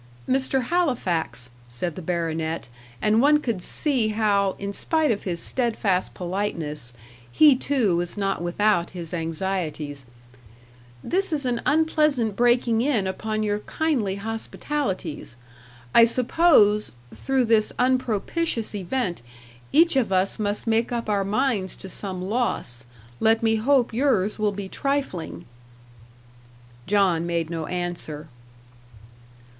"Mr. Halifax," said the baronet, and one could see how, in spite of his steadfast politeness, he too was not without his anxieties "this is an unpleasant breaking in upon your kindly hospitalities. I suppose, through this unpropitious event, each of us must make up our minds to some loss. Let me hope yours will be trifling." John made no answer.